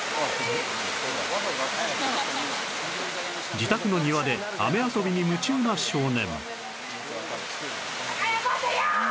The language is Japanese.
自宅の庭で雨遊びに夢中な少年